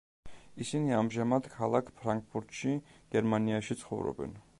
ისინი ამჟამად ქალაქ ფრანკფურტში, გერმანიაში, ცხოვრობენ.